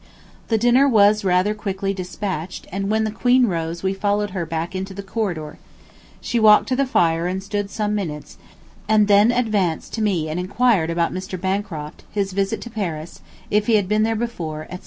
The dinner was rather quickly despatched, and when the Queen rose we followed her back into the corridor. She walked to the fire and stood some minutes, and then advanced to me and enquired about Mr. Bancroft, his visit to Paris, if he had been there before, etc.